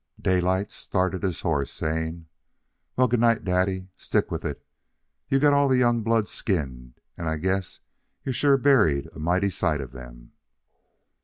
Daylight started his horse, saying: "Well, good night, daddy. Stick with it. You got all the young bloods skinned, and I guess you've sure buried a mighty sight of them."